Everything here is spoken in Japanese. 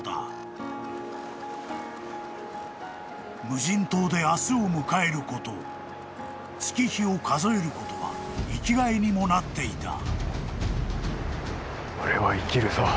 ［無人島で明日を迎えること月日を数えることは生きがいにもなっていた］